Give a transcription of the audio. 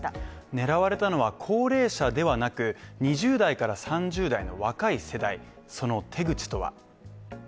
狙われたのは高齢者ではなく、２０代から３０代の若い世代その手口とは。